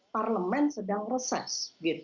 parlemen sedang reses